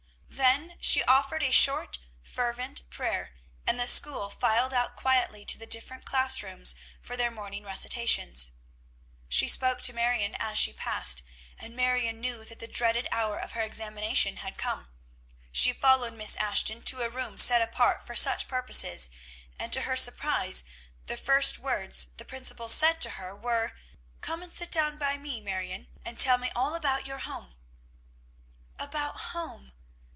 Then she offered a short, fervent prayer, and the school filed out quietly to the different class rooms for their morning recitations. She spoke to Marion as she passed her, and Marion knew that the dreaded hour of her examination had come. She followed Miss Ashton to a room set apart for such purposes; and, to her surprise, the first words the principal said to her were, "Come and sit down by me, Marion, and tell me all about your home!" "About home!"